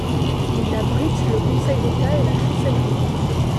Il abrite le Conseil d’État et la chancellerie.